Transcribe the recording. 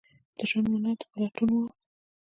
د ژوند د معنی په لټون وم